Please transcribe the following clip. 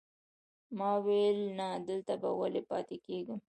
ما ویل نه، دلته به ولې پاتې کېږم.